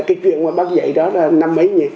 cái chuyện mà bác dạy đó là năm ấy